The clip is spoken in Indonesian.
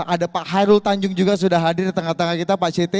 ada pak hairul tanjung juga sudah hadir di tengah tengah kita pak cete